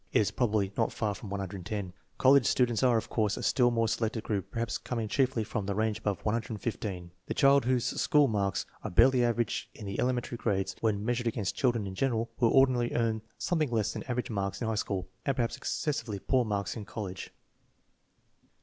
It is probably not far from 110. College students are, of course, a still more selected group, perhaps coming chiefly from the range above 115. The child whose school marks are barely average in the ele mentary grades, when measured against children in general, will ordinarily earn something less than average marks in high school, and perhaps excessively poor marks in college.